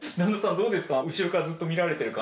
どうですか？